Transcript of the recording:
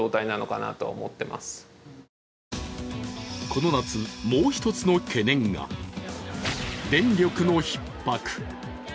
この夏、もう一つの懸念が電力のひっ迫。